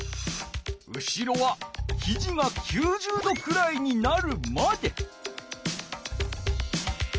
後ろはひじが９０度くらいになるまで。